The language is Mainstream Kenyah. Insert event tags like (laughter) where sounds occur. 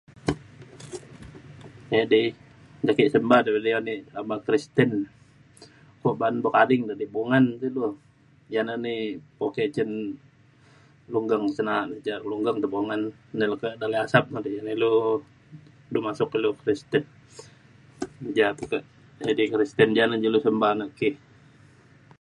edei de ke semba ni ame beng Kristen. ko ba’an buk ading de di bungan de ilu. ja na ni (unintelligible) lunggeng cin na’a lunggeng te bungan kak dalau Asap di ilu du masuk ilu Kristen. ja tekak edei Kristen ja na lu semba nak ki.